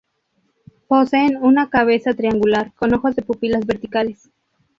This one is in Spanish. Poseen una cabeza triangular, con ojos de pupilas verticales.